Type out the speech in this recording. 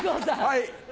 はい。